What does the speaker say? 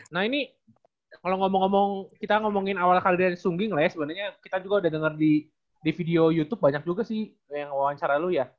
nah ini kalo ngomong ngomong kita ngomongin awal kali dari sungging lah ya sebenernya kita juga udah denger di video youtube banyak juga sih yang wawancara lu ya